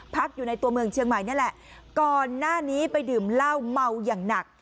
พักอยู่ในตัวเมืองเชียงใหม่นี่แหละก่อนหน้านี้ไปดื่มเหล้าเมาอย่างหนัก